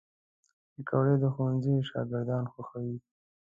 پکورې د ښوونځي شاګردان خوښوي